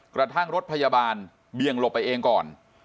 กระทั่งรถพยาบาลเบี่ยงหลบไปเองก่อน